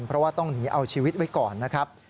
เพราะว่าต้องหนีเอาชีวิตไว้ก่อนนะครับ